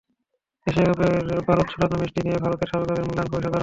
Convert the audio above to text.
Asia কাপের বারুদ ছড়ানো ম্যাচটি নিয়ে ভারতের সাবেক অধিনায়কের মূল্যায়ন খুবই সাধারণ।